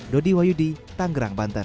dodi wayudi tangerang banten